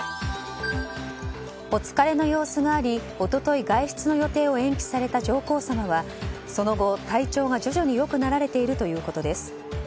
お疲れの様子があり一昨日、外出の予定を延期された上皇さまはその後、体調が徐々に良くなられているということです。